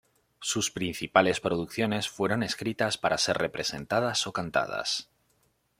Sus principales producciones fueron escritas para ser representadas ó cantadas.